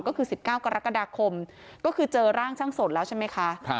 ก็คือสิบเก้ากรกฎาคมก็คือเจอร่างช่างสนแล้วใช่ไหมคะครับ